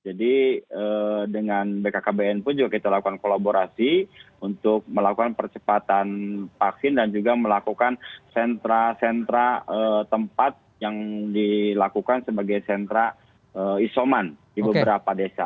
jadi dengan bkkbn pun juga kita lakukan kolaborasi untuk melakukan percepatan vaksin dan juga melakukan sentra sentra tempat yang dilakukan sebagai sentra isoman di beberapa desa